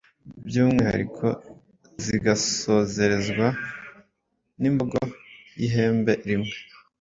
byumwihariko zigasozerezwa n’imbogo y’ihembe rimwe